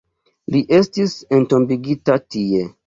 Li estis entombigita tie.